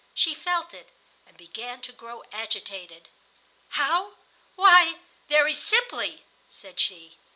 She felt it, and began to grow agitated. "How? Why, very simply," said she.